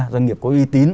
doanh nghiệp có uy tín